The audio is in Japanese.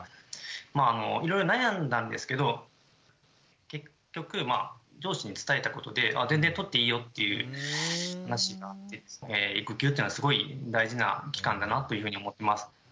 まああのいろいろ悩んだんですけど結局上司に伝えたことで「ああ全然取っていいよ」っていう話になってですね育休というのはすごい大事な期間だなというふうに思ってます。